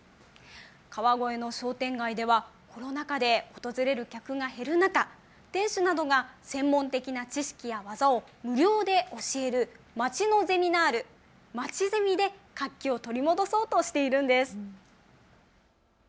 川越の商店街ではコロナ禍で訪れる客が減る中、店主などが専門的な知識や技を無料で教えるまちのゼミナール、まちゼミで活気を取り戻そうとしているんです。